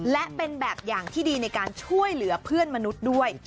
และเป็นแบบอย่างที่ดีในการช่วยเหลือเพื่อนมนุษย์ด้วย